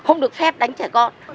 không được phép đánh trẻ con